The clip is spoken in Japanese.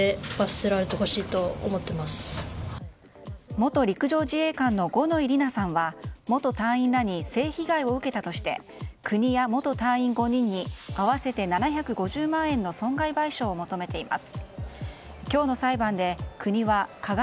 元陸上自衛官の五ノ井里奈さんは元隊員らに性被害を受けたとして国や元隊員５人に合わせて７５０万円の損害賠償を求めています。